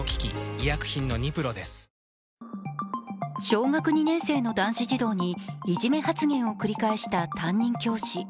小学２年生の男子児童にいじめ発言を繰り返した担任教師。